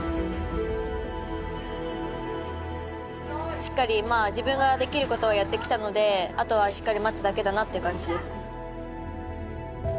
しっかり自分ができることをやってきたのであとはしっかり待つだけだなという感じです。